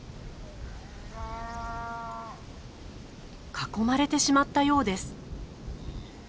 囲まれてしまったようです。